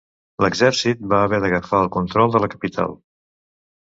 L'exèrcit va haver d'agafar el control de la capital.